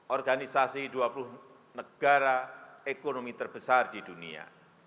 organisasi dua puluh negara ekonomi terbesar di dunia